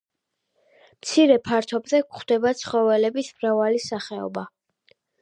მცირე ფართობზე გვხვდება ცხოველების მრავალი სახეობა.